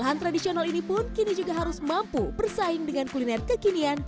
bahan tradisional ini pun kini juga harus mampu bersaing dengan kuliner kekinian